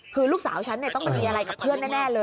คือลูกสาวฉันต้องไปมีอะไรกับเพื่อนแน่เลย